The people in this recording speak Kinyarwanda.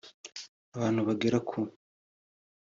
Abantu bagera ku